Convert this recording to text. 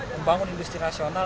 membangun industri nasional